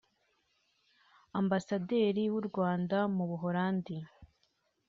Ambasaderi w’u Rwanda mu Buholandi